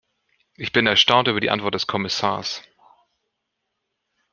Ich bin erstaunt über die Antwort des Kommissars.